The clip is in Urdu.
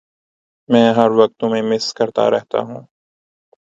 میں ہر وقت تمہیں مس کرتا رہتا ہوں